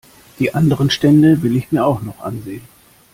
Die anderen Stände will ich mir auch noch ansehen.